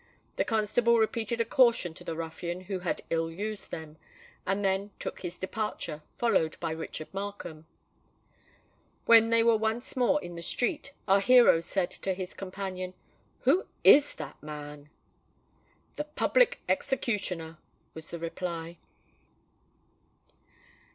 The constable repeated a caution to the ruffian who had ill used them, and then took his departure, followed by Richard Markham. When they were once more in the street, our hero said to his companion, "Who is that man?" "The PUBLIC EXECUTIONER," was the reply.